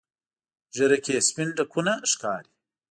ږیره کې یې سپین ډکونه ښکاري.